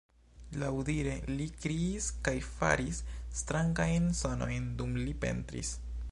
Laŭdire li kriis kaj faris strangajn sonojn dum li pentris.